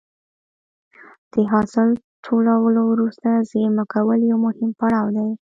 د حاصل ټولولو وروسته زېرمه کول یو مهم پړاو دی.